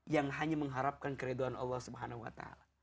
yang hanya mengharapkan keriduan allah swt